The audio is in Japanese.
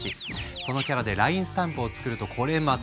そのキャラでＬＩＮＥスタンプを作るとこれまた人気に。